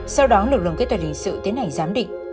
sau đó lực lượng kết tỏa hình sự tiến hành giám định